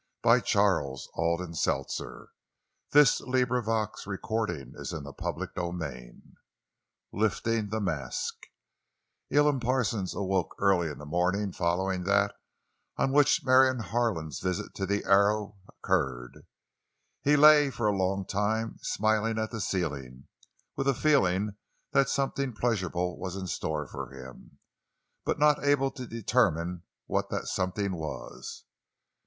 Which indicated that Taylor's thoughts were now serious. CHAPTER XII—LIFTING THE MASK Elam Parsons awoke early in the morning following that on which Marion Harlan's visit to the Arrow occurred. He lay for a long time smiling at the ceiling, with a feeling that something pleasurable was in store for him, but not able to determine what that something was.